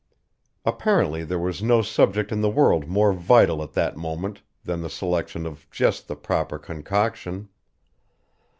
Apparently there was no subject in the world more vital at that moment than the selection of just the proper concoction.